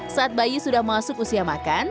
saat bayi sudah masuk usia makan